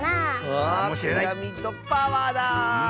あピラミッドパワーだ！